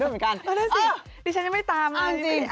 อ๋อดูนั้นสิดิฉันยังไม่ตามเลย